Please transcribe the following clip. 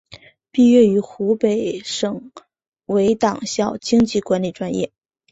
毕业于湖北省委党校经济管理专业。